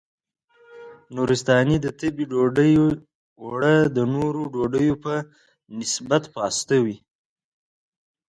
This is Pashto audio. نورستانۍ د تبۍ ډوډۍ اوړه د نورو ډوډیو په نسبت پاسته وي.